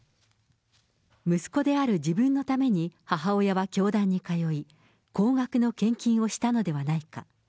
息子である自分のために母親は教団に通い、高額の献金をしたのではないか。